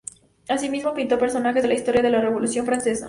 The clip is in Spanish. Asimismo, pintó a personajes de la historia de la Revolución francesa.